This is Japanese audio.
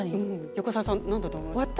横澤さん何だと思います？